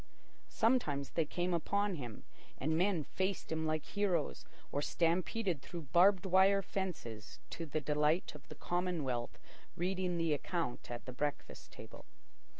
Sometimes they came upon him, and men faced him like heroes, or stampeded through barbed wire fences to the delight of the commonwealth reading the account at the breakfast table.